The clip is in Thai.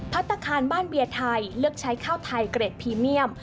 พัฒนาคารบ้านเบียร์ไทยเลือกใช้ข้าวไทยเกรดพรีเมียม